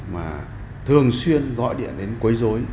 mà thường xuyên gọi điện đến quấy rối